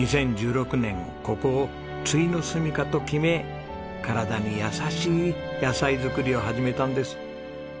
２０１６年ここをついのすみかと決め体に優しい野菜作りを始めたんです。